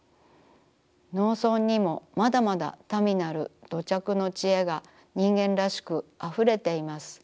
農村にもまだまだ民なる土着の知恵が人間らしくあふれています。